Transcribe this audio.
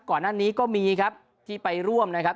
ก่อนหน้านี้ก็มีครับที่ไปร่วมนะครับ